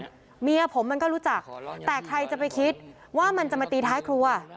เมียผมมันก็รู้จักแต่ใครจะไปคิดว่ามันจะมาตีท้ายครัว